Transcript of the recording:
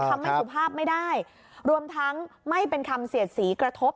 คำไม่สุภาพไม่ได้รวมทั้งไม่เป็นคำเสียดสีกระทบ